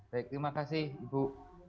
baik terima kasih ibu